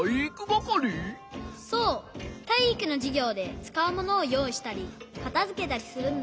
そうたいいくのじゅぎょうでつかうものをよういしたりかたづけたりするんだ。